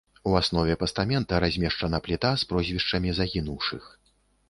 У аснове пастамента размешчана пліта з прозвішчамі загінуўшых.